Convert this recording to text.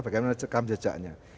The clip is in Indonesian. bagaimana cam jejaknya